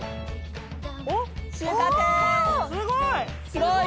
すごい。